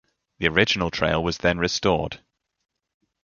The original trail was then restored.